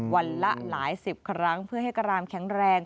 วันละหลายสิบครั้งเพื่อให้กรามแข็งแรง